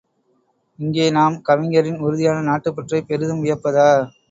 இங்கே நாம், கவிஞரின் உறுதியான நாட்டுப் பற்றைப் பெரிதும் வியப்பதா?